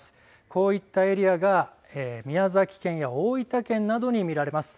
こういったエリアが宮崎県や大分県などに見られます。